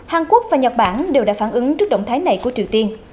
hàn quốc và nhật bản đều đã phản ứng trước động thái này của triều tiên